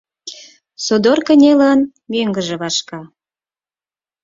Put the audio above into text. Содор кынелын, мӧҥгыжӧ вашка.